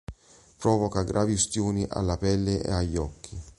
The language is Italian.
Provoca gravi ustioni alla pelle e agli occhi.